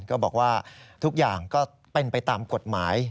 ก็บอกว่าทุกอย่างก็เป็นไปตามกฎหมาย